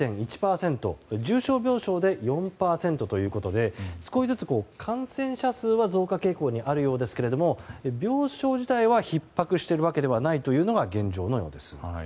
重症病床で４％ということで少しずつ感染者数は増加傾向にあるようですけども病床自体はひっ迫しているわけではないのが現状のようです。